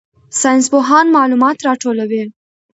ساینسپوهان معلومات راټولوي.